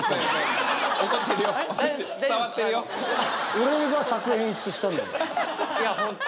俺が作・演出したのよ。